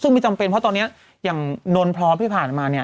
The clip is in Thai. ซึ่งไม่จำเป็นเพราะตอนนี้อย่างนนพร้อมที่ผ่านมาเนี่ย